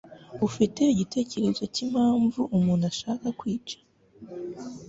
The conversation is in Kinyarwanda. Ufite igitekerezo cyimpamvu umuntu ashaka kwica ?